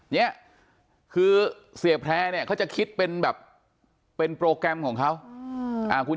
เนี่ยคือเสียแพร่เนี่ยเขาจะคิดเป็นแบบเป็นโปรแกรมของเขาคุณ